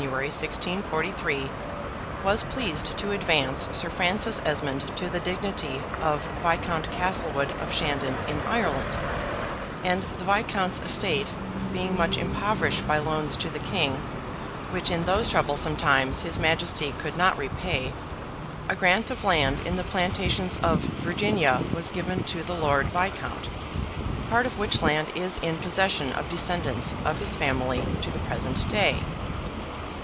1643, was pleased to advance Sir Francis Esmond to the dignity of Viscount Castlewood, of Shandon, in Ireland: and the Viscount's estate being much impoverished by loans to the King, which in those troublesome times his Majesty could not repay, a grant of land in the plantations of Virginia was given to the Lord Viscount.; part of which land is in possession of descendants of his family to the present day.